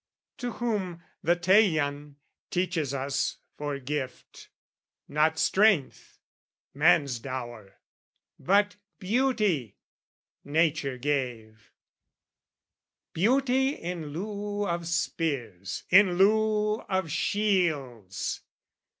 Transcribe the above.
To whom, the Teian teaches us, for gift, Not strength, man's dower, but beauty, nature gave, "Beauty in lieu of spears, in lieu of shields!"